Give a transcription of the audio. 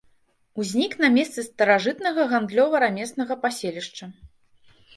Узнік на месцы старажытнага гандлёва-рамеснага паселішча.